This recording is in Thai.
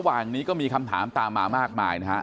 อย่างนี้ก็มีคำถามตามมามากมายนะฮะ